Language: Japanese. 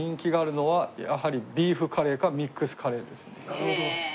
なるほど。